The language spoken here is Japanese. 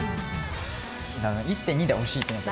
１．２で惜しいってなった。